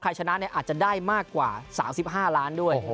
ใครชนะเนี่ยอาจจะได้มากกว่า๓๕ล้านด้วย